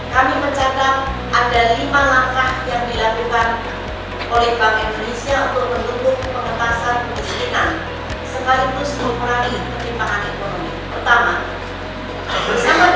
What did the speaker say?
kami mencatat ada lima langkah yang dilakukan oleh bank indonesia